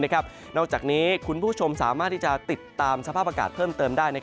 นอกจากนี้คุณผู้ชมสามารถที่จะติดตามสภาพอากาศเพิ่มเติมได้